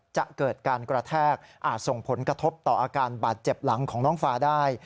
จะเกิดการกระแทกอาจส่งผลกระทบต่ออาการบาดเจ็บหลังของน้องฟาได้